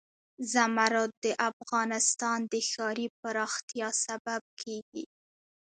زمرد د افغانستان د ښاري پراختیا سبب کېږي.